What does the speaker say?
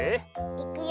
いくよ。